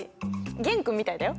玄君みたいだよ。